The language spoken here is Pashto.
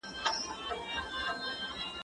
زه به سبا ليک ولولم؟